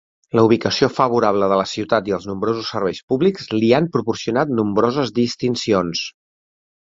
La ubicació favorable de la ciutat i els nombrosos serveis públics li han proporcionat nombroses distincions.